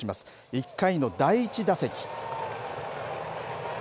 １回の第１打席。